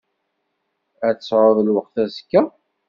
Ad tesεuḍ lweqt azekka?